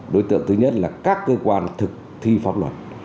đối tượng thứ nhất là các cơ quan thực thi pháp luật